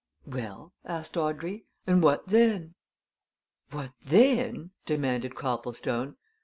"Well?" asked Audrey. "And what then?" "What then?" demanded Copplestone.